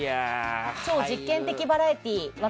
「超実験的バラエティー！！